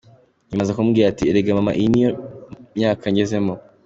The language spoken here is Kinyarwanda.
Nyuma aza kumbwira ati ‘erega mama iyi niyo myaka ngezemo.